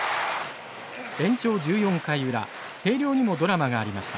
延長１４回裏星稜にもドラマがありました。